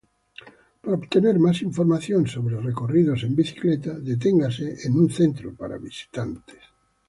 Para obtener más información sobre recorridos en bicicleta, deténgase en un Centro para visitantes.